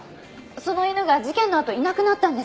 その犬が事件のあといなくなったんです。